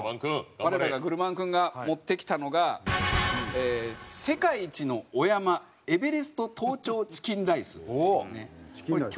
我らがグルマンくんが持ってきたのが世界一のお山エベレスト登頂チキンライスというね。